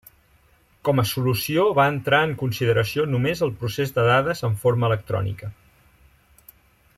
Com a solució va entrar en consideració només el procés de dades en forma electrònica.